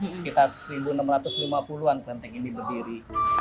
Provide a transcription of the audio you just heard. sekitar seribu enam ratus lima puluh an kelenteng ini berdiri